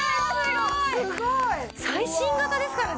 すごい！最新型ですからね。